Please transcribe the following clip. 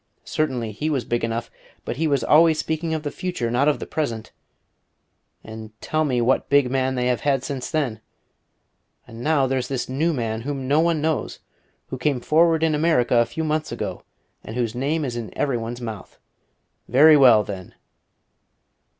Certainly he was big enough; but he was always speaking of the future, not of the present; and tell me what big man they have had since then! And now there's this new man, whom no one knows, who came forward in America a few months ago, and whose name is in every one's mouth. Very well, then!"